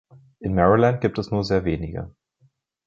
In Maryland gibt es nur sehr wenige.